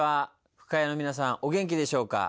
深谷の皆さんお元気でしょうか。